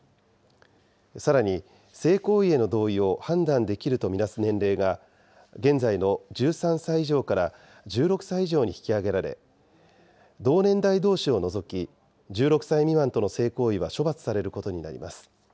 さらに性行為への同意を判断できると見なす年齢が、現在の１３歳以上から１６歳以上に引き上げられ、同年代どうしを除き、１６歳未満との性行為は処罰されることになります。